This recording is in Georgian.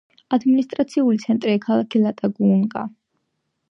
ადმინისტრაციული ცენტრია ქალაქი ლატაკუნგა.